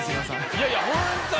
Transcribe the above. いやいやホントに。